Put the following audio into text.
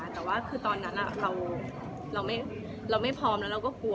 แต่ว่าคือตอนนั้นเราไม่พร้อมแล้วเราก็กลัว